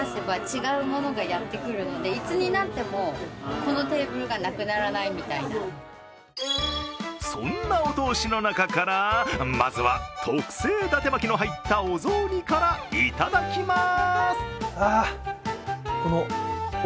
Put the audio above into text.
この驚きの数にお客さんはそんなお通しの中からまずは特製だて巻きの入ったお雑煮からいただきまーす。